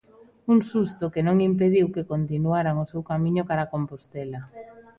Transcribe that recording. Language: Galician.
Un susto que non impediu que continuaran o seu camiño cara a Compostela.